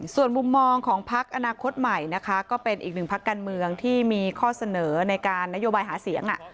ส่วนมุมมองของพักอนาคตใหม่นะคะก็เป็นอีกหนึ่งพักการเมืองที่มีข้อเสนอในการนโยบายหาเสียง